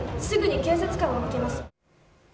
すぐに警察官を向けます。